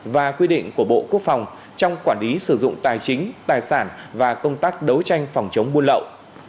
và quy định của bộ quốc phòng trong quản lý sử dụng tài chính tài sản và công tác đấu tranh phòng chống buôn lậu